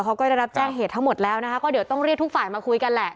เขาก็ได้รับแจ้งเหตุทั้งหมดแล้วนะคะก็เดี๋ยวต้องเรียกทุกฝ่ายมาคุยกันแหละ